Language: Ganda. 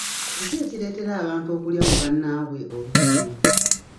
Ki ekireetera abantu okulya mu bannaabwe olukwe?